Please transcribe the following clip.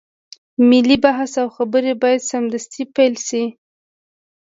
ملي بحث او خبرې بايد سمدستي پيل شي.